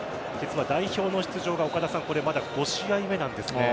代表の出場がまだ５試合目なんですね。